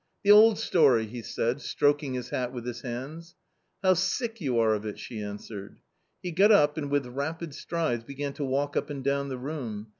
"The old story!" he said, stroking his hat with his hands. " How sick you are of it !" she answered. He got up and with rapid strides began to walk up and down the room.